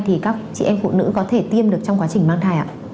thì các chị em phụ nữ có thể tiêm được trong quá trình mang thai ạ